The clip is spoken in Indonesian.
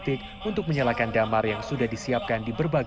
ibu udah masak banyak dong